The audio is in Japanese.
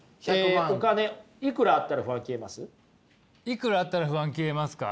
いくらあったら不安消えますか？